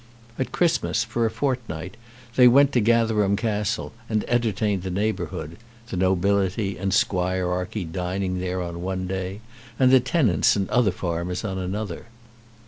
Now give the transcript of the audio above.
At Christmas, for a fortnight, they went to Gatherum Castle and entertained the neighbourhood, the nobility and squirearchy dining there on one day, and the tenants and other farmers on another.